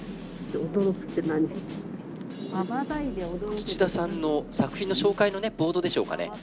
土田さんの作品の紹介のボードでしょうかね。